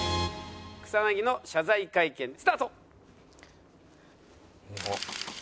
草薙の謝罪会見スタート。